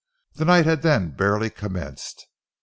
The night had then barely commenced.